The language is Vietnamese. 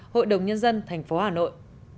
hội đồng nhân dân tp hà nội